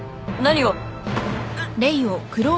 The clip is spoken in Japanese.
何を。